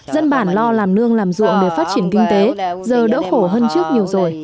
dân bản lo làm nương làm ruộng để phát triển kinh tế giờ đỡ khổ hơn trước nhiều rồi